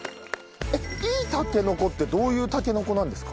いいたけのこってどういうたけのこなんですか？